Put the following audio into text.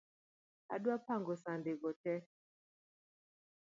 Adwa pango sande go tee .